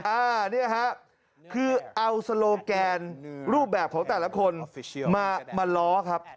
อันนี้ฮะคือเอาโซโลแกนรูปแบบของแต่ละคนมาล้อครับ